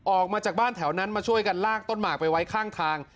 ออกมาจากบ้านแถวนั้นมาช่วยกันลากต้นหมากไปไว้ข้างทาง